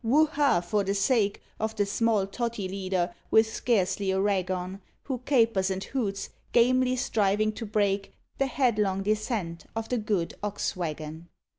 Wo haa! for the sake Of the small Tottie leader with scarcely a rag on, Who capers and hoots, gamely striving to break The headlong descent of the good Ox wagon.